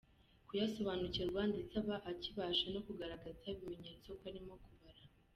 kuyasobanukirwa ndetse aba akibasha no kugaragaza ibimenyetso ko arimo kubabara.